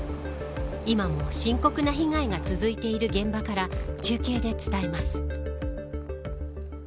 今も深刻な被害が続いている現場から中継で伝えます。